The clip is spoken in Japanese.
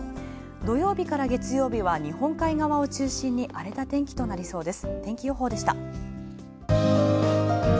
土曜日から月曜日は日本海側を中心に荒れた天気となりそうです。